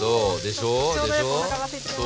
ちょうどよくおなかがすいてきました。